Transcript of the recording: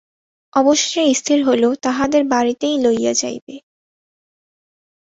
অবশেষে স্থির হইল তাহাদের বাড়িতেই লইয়া যাইবে।